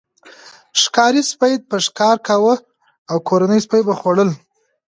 ښکاري سپي به ښکار کاوه او کورني سپي به خوړل.